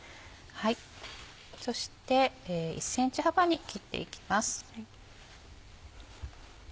そして１ｃｍ幅に切っていきます。